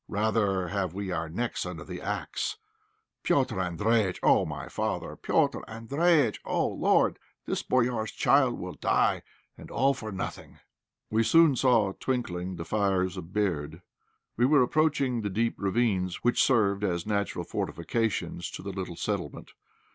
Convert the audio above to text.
Rather have we our necks under the axe. Petr' Andréjïtch! Oh! my father, Petr' Andréjïtch! Oh, Lord! this 'boyár's' child will die, and all for nothing!" We soon saw twinkling the fires of Berd. We were approaching the deep ravines which served as natural fortifications to the little settlement.